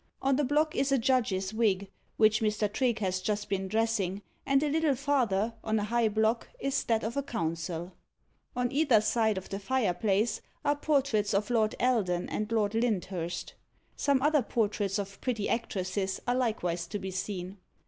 On the block is a judge's wig, which Mr. Trigge has just been dressing, and a little farther, on a higher block, is that of a counsel. On either side of the fireplace are portraits of Lord Eldon and Lord Lyndhurst. Some other portraits of pretty actresses are likewise to be seen.